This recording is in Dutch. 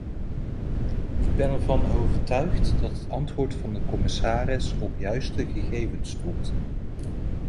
Ik ben ervan overtuigd dat het antwoord van de commissaris op juiste gegevens stoelt.